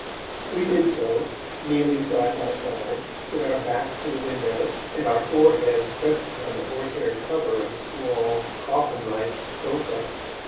We did so, kneeling side by side, with our backs to the window and our foreheads pressed upon the horsehair cover of the small, coffin like sofa.